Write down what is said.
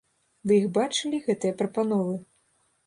Вы іх бачылі, гэтыя прапановы?